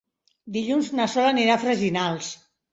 Dilluns na Sol anirà a Freginals.